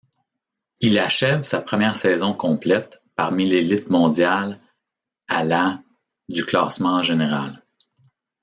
Il achève sa première saison complète parmi l'élite mondiale à la du classement général.